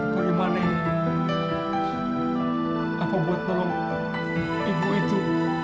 perumahan ini apa buat nolong ibu itu